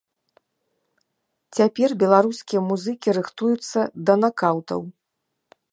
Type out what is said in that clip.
Цяпер беларускія музыкі рыхтуюцца да накаўтаў.